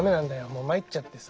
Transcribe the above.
もう参っちゃってさ。